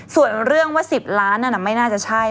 ส่วนเรื่องว่า๑๐ล้านนั่นไม่น่าจะใช่